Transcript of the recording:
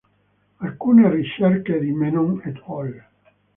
Alcune ricerche di Menon et al.